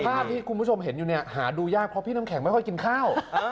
ภาพที่คุณผู้ชมเห็นอยู่เนี่ยหาดูยากเพราะพี่น้ำแข็งไม่ค่อยกินข้าว